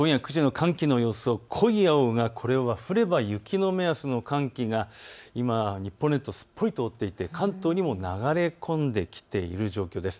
寒気の様子、濃い青は降れば雪の目安の寒気がすっぽりと覆っていて関東にも流れ込んできている状況です。